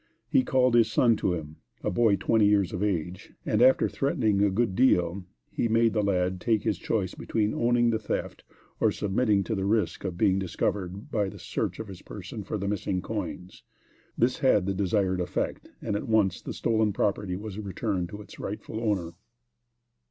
He called his son to him, a boy twenty years of age, and after threatening a good deal, he made the lad take his choice between owning the theft or submitting to the risk of being discovered by a search of his person for the missing coins. This had the desired effect, and at once the stolen property was returned to its rightful owner.